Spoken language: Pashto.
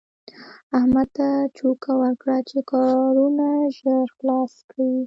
احمد ته چوکه ورکړه چې کارونه ژر خلاص کړي.